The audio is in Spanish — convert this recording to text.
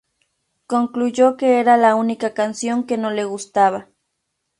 Concluyó que era la única canción que no le gustaba.